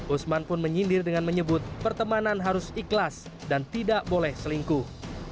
usman pun menyindir dengan menyebut pertemanan harus ikhlas dan tidak boleh selingkuh